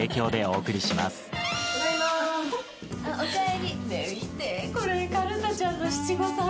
見てこれかるたちゃんの七五三の写真。